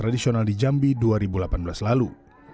tradisional di jambi dua ribu delapan belas lalu